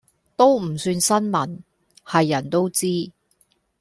都唔算新聞，係人都知